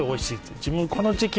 自分は、この時期は